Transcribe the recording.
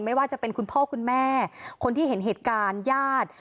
ไม่ว่าจะเป็นคุณพ่อคุณแม่คนที่เห็นเหตุการณ์ญาติ